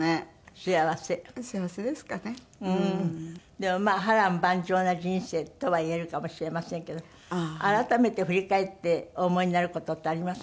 でもまあ波瀾万丈な人生とはいえるかもしれませんけど改めて振り返ってお思いになる事ってあります？